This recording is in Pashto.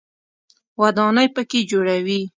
ودانۍ په کې جوړوي.